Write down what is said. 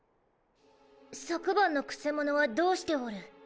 昨晩の曲者はどうしておる？